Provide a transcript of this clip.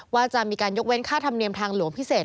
ว่าจะมีการยกเว้นค่าธรรมเนียมทางหลวงพิเศษ